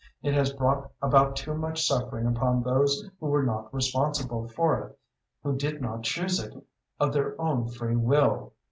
It has brought about too much suffering upon those who were not responsible for it, who did not choose it of their own free will.